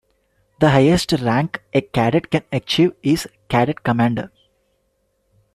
The highest rank a cadet can achieve is Cadet Commander.